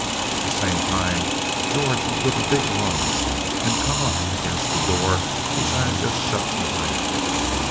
At the same time George would give a big lunge and come up against the door which I had just shut behind me.